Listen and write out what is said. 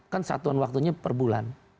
kan satuan waktunya perbulan